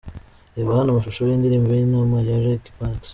Reba hano amashusho y'indirimbo'Intama' ya Regy Banks.